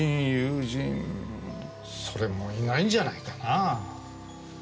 それもいないんじゃないかなぁ。